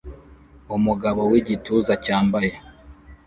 Umugabo wigituza cyambaye